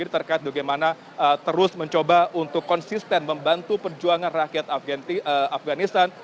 terkait bagaimana terus mencoba untuk konsisten membantu perjuangan rakyat afganistan